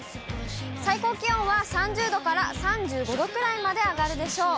最高気温は３０度から３５度くらいまで上がるでしょう。